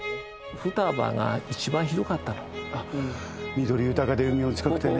緑豊かで海も近くてね。